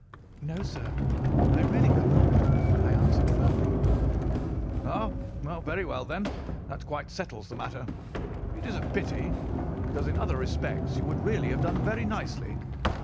"'No, sir, I really could not,' I answered firmly. "'Ah, very well; then that quite settles the matter. It is a pity, because in other respects you would really have done very nicely.